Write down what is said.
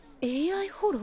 ＡＩホロ？